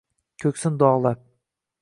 Ko’ksin dog’lab